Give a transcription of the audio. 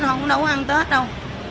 không có ăn tết đâu